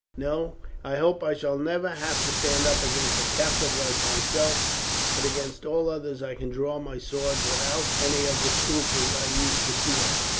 "No, I hope I shall never have to stand up against a captive like myself but against all others I can draw my sword without any of the scruples I used to feel.